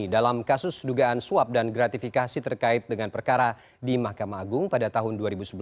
dalam kasus sedugaan suap dan gratifikasi terkait dengan perkara di mahkamah agung pada tahun dua ribu sebelas dua ribu enam belas